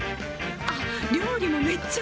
あっ料理もめっちゃうまい！